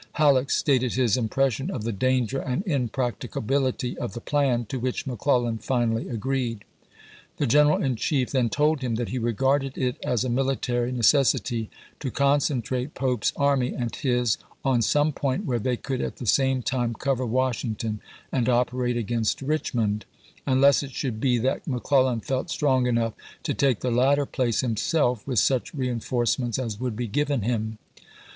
Halleck stated his impression of the danger and impracticability of the plan, to which McClellan finally agreed. The General in Chief then told him that he regarded it as a military necessity to concentrate Pope's army and his on some point where they could at the same time cover Washington and operate against Richmond ; unless it should be that McClellan felt strong enough to take the latter place himself with such reenforce ments as would be given him.